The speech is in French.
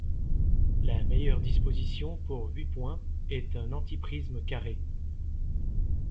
La meilleure disposition pour huit points est un antiprisme carré.